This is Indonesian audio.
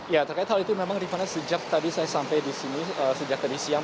ya terkait hal itu memang rifana sejak tadi saya sampai di sini sejak tadi siang